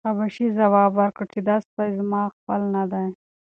حبشي ځواب ورکړ چې دا سپی زما خپل نه دی.